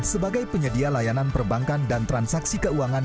sebagai penyedia layanan perbankan dan transaksi keuangan